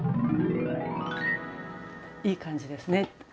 いい感じですね。